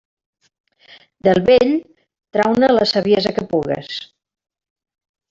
Del vell, trau-ne la saviesa que pugues.